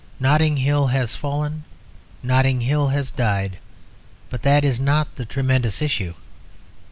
Notting Hill has fallen; Notting Hill has died. But that is not the tremendous issue.